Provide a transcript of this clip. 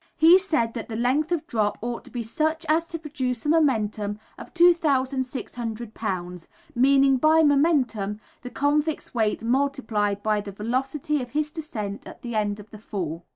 He said that the length of drop ought to be such as to produce a momentum of 2600 lbs., meaning by "momentum," the convict's weight multiplied by the velocity of his descent at the end of the fall.